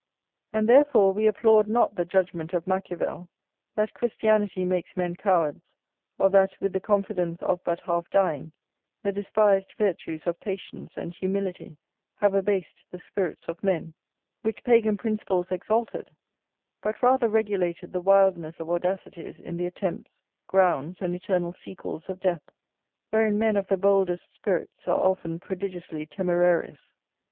And therefore we applaud not the judgment of Machiavel, that Christianity makes men cowards, or that with the confidence of but half dying, the despised virtues of patience and humility have abased the spirits of men, which Pagan principles exalted; but rather regulated the wildness of audacities in the attempts, grounds, and eternal sequels of death; wherein men of the boldest spirits are often prodigiously temerarious.